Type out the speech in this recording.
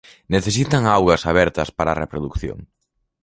Necesitan augas abertas para a reprodución.